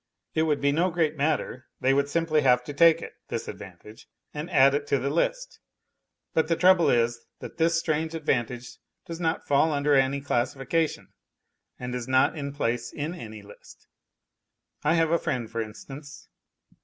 It would be no great matter, they would simply have to take it, this advantage, and add it to the list. But the trouble is, that this strange advantage does not fall under any classification and is not in place in any list. I have a friend for instance